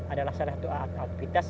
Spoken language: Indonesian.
adalah salah satu aktivitas